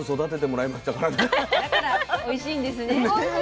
だからおいしいんですね。